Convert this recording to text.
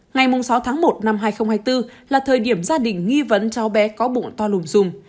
ngày sáu tháng một năm hai nghìn hai mươi bốn là thời điểm gia đình nghi vấn cháu bé có bụng to lùn rùm